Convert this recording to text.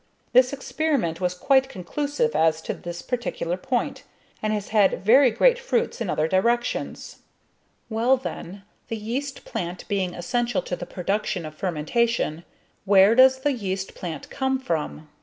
This experiment was quite conclusive as to this particular point, and has had very great fruits in other directions. Well, then, the yeast plant being essential to the production of fermentation, where does the yeast plant come from?